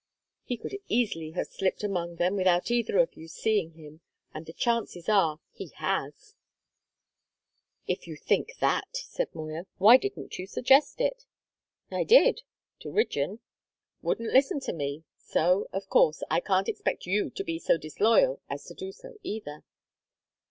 He could easily have slipped among them without either of you seeing him, and the chances are he has." "If you think that," said Moya, "why didn't you suggest it?" "I did to Rigden. Wouldn't listen to me; so, of course, I can't expect you to be so disloyal as to do so either."